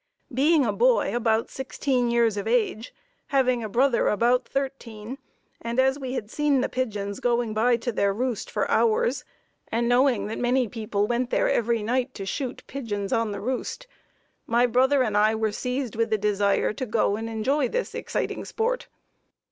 Being a boy about sixteen years of age, having a brother about thirteen, and as we had seen the pigeons going by to their roost for hours and knowing that many people went there every night to shoot pigeons on the roost, my brother and I were seized with a desire to go and enjoy this exciting sport.